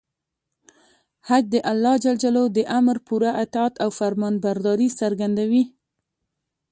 حج د الله د امر پوره اطاعت او فرمانبرداري څرګندوي.